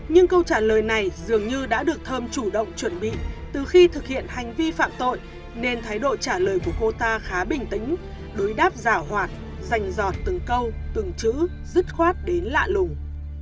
nhưng câu trả lời này dường như đã được thơm chủ động chuẩn bị từ khi thực hiện hành vi phạm tội nên thái độ trả lời của cô ta khá bình tĩnh đối đáp giả hoạt dành giọt từng câu từng chữ dứt khoát đến lạ lùng